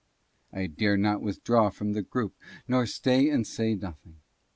I dare not withdraw from the group, nor stay and say nothing.